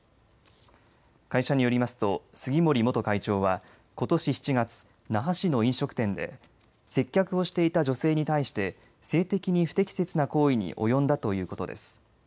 会社によりますと杉森元会長はことし７月、那覇市の飲食店で接客をしていた女性に対して性的に不適切な行為に及んだということです。